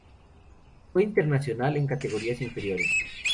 Fue internacional en categorías inferiores.